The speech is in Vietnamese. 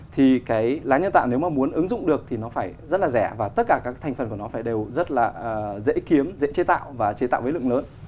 thì cái lá nhân tạo nếu mà muốn ứng dụng được thì nó phải rất là rẻ và tất cả các thành phần của nó phải đều rất là dễ kiếm dễ chế tạo và chế tạo với lượng lớn